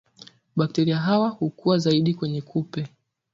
bakteria hawa hukua zaidi kwenye kupe